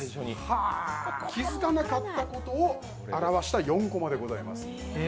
気づかなかったことを表した４コマでございます。